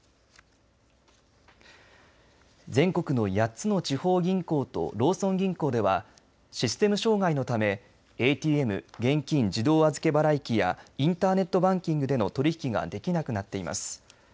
全国の８つの地方銀行とローソン銀行ではシステム障害のためＡＴＭ＝現金自動預け払い機やインターネットバンキングでの取り引きができなくなっています。